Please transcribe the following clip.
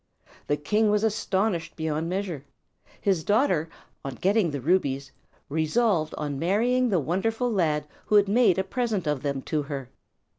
The king was astonished beyond measure. His daughter, on getting the rubies, resolved on marrying the wonderful lad who had made a present of them to her.